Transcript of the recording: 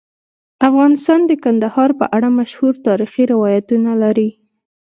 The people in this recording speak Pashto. افغانستان د کندهار په اړه مشهور تاریخی روایتونه لري.